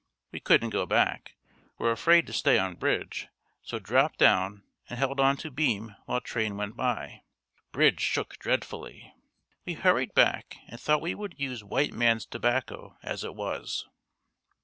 We couldn't go back, were afraid to stay on bridge, so dropped down and held on to beam while train went by. Bridge shook dreadfully. We hurried back and thought we would use white man's tobacco as it was."